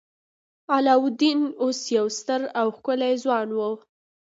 علاوالدین اوس یو ستر او ښکلی ځوان و.